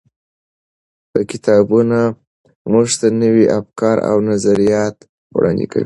کتابونه موږ ته نوي افکار او نظریات وړاندې کوي.